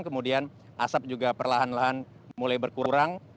kemudian asap juga perlahan lahan mulai berkurang